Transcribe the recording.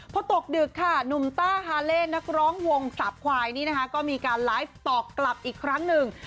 พอตกดึกค่ะหนุ่มต้าฮาเล่นักร้องวงสาบควายนี่นะคะก็มีการไลฟ์ตอบกลับอีกครั้งหนึ่ง